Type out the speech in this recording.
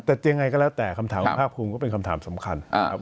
แต่ยังไงก็แล้วแต่คำถามคุณภาคภูมิก็เป็นคำถามสำคัญนะครับ